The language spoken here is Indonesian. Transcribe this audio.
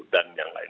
dan yang lain